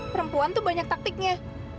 perempuan tuh banyak taktiknya